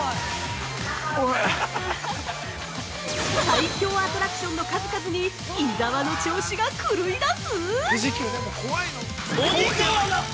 最恐アトラクションの数々に伊沢の調子が狂いだす！？